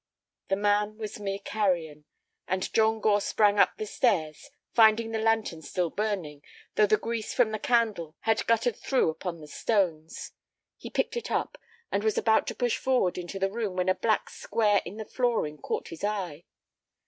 The man was mere carrion, and John Gore sprang up the stairs, finding the lantern still burning, though the grease from the candle had guttered through upon the stones. He picked it up, and was about to push forward into the room when a black square in the flooring caught his eye.